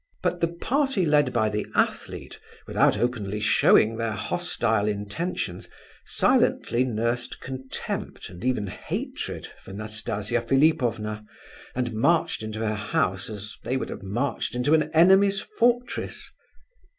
But the party led by the athlete, without openly showing their hostile intentions, silently nursed contempt and even hatred for Nastasia Philipovna, and marched into her house as they would have marched into an enemy's fortress.